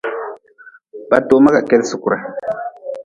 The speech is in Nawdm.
Batoma ka kedi sukure.